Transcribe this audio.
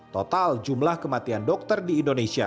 total jumlah kematian dokter di indonesia